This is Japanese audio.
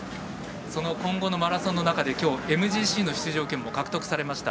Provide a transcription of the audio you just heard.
その今後のマラソンの中でＭＧＣの出場権も獲得されました。